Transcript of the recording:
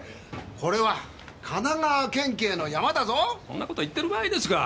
これは神奈川県警のヤマだぞそんなことを言ってる場合ですか